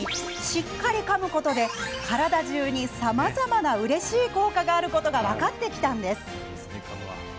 しっかりかむことで体じゅうに、さまざまなうれしい効果があることが分かってきたんです。